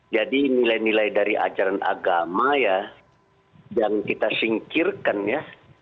jadi nilai nilai dari ajaran agama ya yang kita singkirkan ya